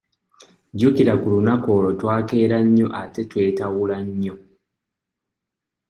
Jjukira ku lunaku olwo twakeera nnyo ate twetawula nnyo.